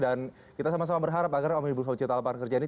dan kita sama sama berharap agar omnibusul cipta leparan kerja ini